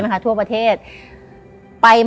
แล้วหลังจากนั้นชีวิตเปลี่ยน